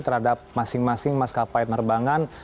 terhadap masing masing maskapai penerbangan